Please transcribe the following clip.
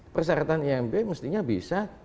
persyaratan imb mestinya bisa